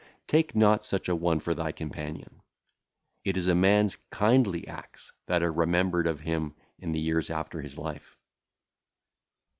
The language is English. Take not such an one for thy companion. It is a man's kindly acts that are remembered of him in the years after his life.